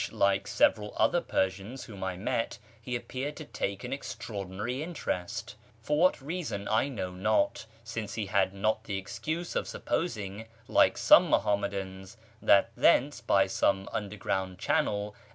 UONGST THE PERSIANS several otlicr rersians wlioiii I incl, lie appeared to take; an extraordinary interest ; for what reason I know not, since he luul not the excuse of supposing, like some ]\Iuhannnadans, that thence, by some underground channel.